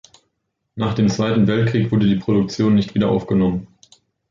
Nach dem Zweiten Weltkrieg wurde die Produktion nicht wieder aufgenommen.